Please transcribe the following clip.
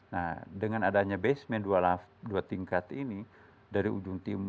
nah dengan adanya basement dua tingkat ini